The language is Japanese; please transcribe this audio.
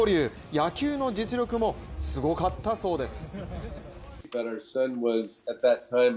野球の実力もすごかったそうです。